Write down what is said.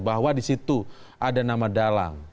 bahwa di situ ada nama dalang